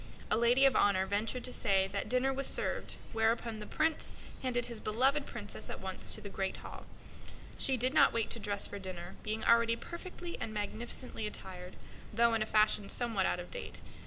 A lady of honor ventured to say that dinner was served, whereupon the Prince handed his beloved Princess at once to the great hall. She did not wait to dress for dinner, being already perfectly and magnificently attired, though in a fashion somewhat out of date.